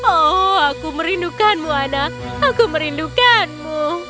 oh aku merindukanmu anak aku merindukanmu